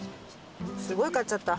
すごい買っちゃった。